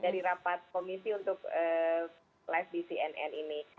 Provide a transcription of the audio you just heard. dari rapat komisi untuk live di cnn ini